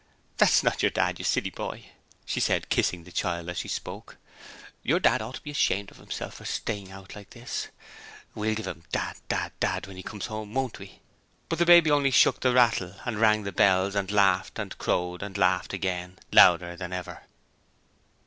'That's not your Dad, you silly boy,' she said, kissing the child as she spoke. 'Your dad ought to be ashamed of himself for staying out like this. We'll give him dad, dad, dad, when he does come home, won't we?' But the baby only shook the rattle and rang the bells and laughed and crowed and laughed again, louder than ever.